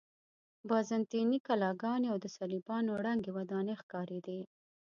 بازنطیني کلاګانې او د صلیبیانو ړنګې ودانۍ ښکارېدې.